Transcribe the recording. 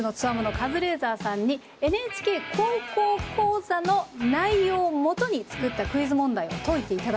カズレーザーさんに「ＮＨＫ高校講座」の内容をもとに作ったクイズ問題を解いていただこうという。